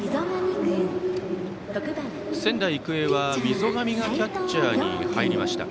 仙台育英は溝上がキャッチャーに入りました。